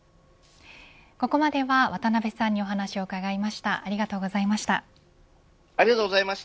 ここまでは渡辺さんにお話を伺いました。